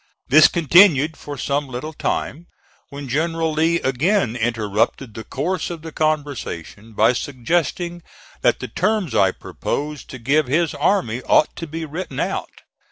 This continued for some little time, when General Lee again interrupted the course of the conversation by suggesting that the terms I proposed to give his army ought to be written out.